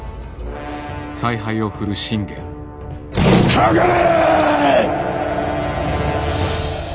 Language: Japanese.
かかれ！